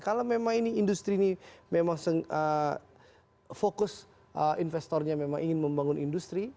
kalau memang ini industri ini memang fokus investornya memang ingin membangun industri